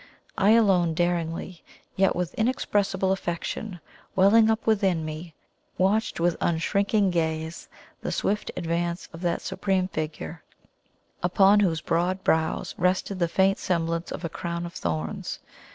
I alone, daringly, yet with inexpressible affection welling up within me, watched with unshrinking gaze the swift advance of that supreme Figure, upon whose broad brows rested the faint semblance of a Crown of Thorns.